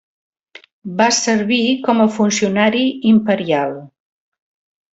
Va servir com a funcionari imperial.